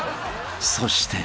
［そして］